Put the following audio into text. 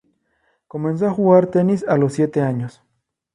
Comenzó a jugar tenis a los siete años.